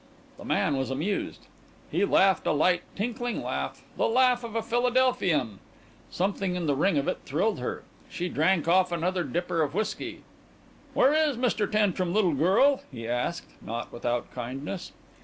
The man was amused. He laughed a light tinkling laugh, the laugh of a Philadelphian. Something in the ring of it thrilled her. She drank off another dipper of whiskey. "Where is Mr. Tantrum, little girl?" he asked, not without kindness.